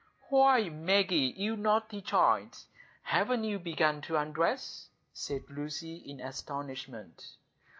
"Why, Maggie, you naughty child, haven't you begun to undress?" said Lucy, in astonishment.